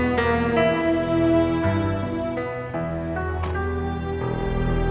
betapa morpung kejar